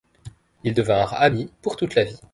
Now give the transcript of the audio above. Ils devinrent amis pour toute la vie.